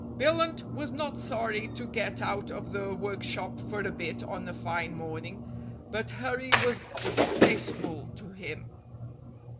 Billunt was not sorry to get out of the workshop for a bit on a fine morning, but hurry was distasteful to him.